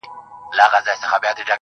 پاچا که د جلاد پر وړاندي، داسي خاموش وو~